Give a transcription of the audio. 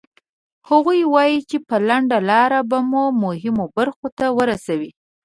هغوی وایي چې په لنډه لاره به مو مهمو برخو ته ورسوي.